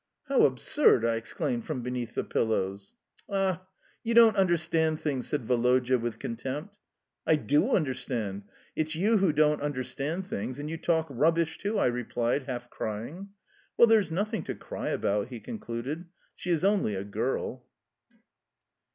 "How absurd!" I exclaimed from beneath the pillows. "Ah, you don't understand things," said Woloda with contempt. "I DO understand. It's you who don't understand things, and you talk rubbish, too," I replied, half crying. "Well, there is nothing to cry about," he concluded. "She is only a girl."